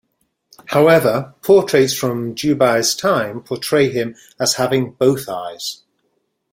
However, portraits from Jubei's time portray him as having both eyes.